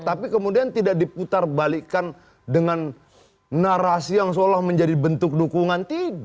tapi kemudian tidak diputarbalikan dengan narasi yang seolah menjadi bentuk dukungan tidak